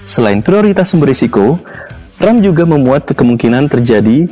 selain prioritas sumber risiko ram juga memuat kemungkinan terjadi